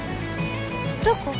どこ？